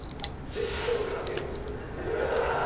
絶対俺勝てるっつってる。